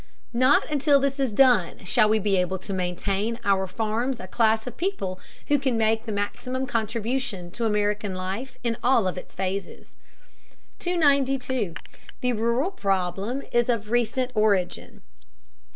Not until this is done shall we be able to maintain on our farms a class of people who can make the maximum contribution to American life in all of its phases. 292. THE RURAL PROBLEM IS OF RECENT ORIGIN.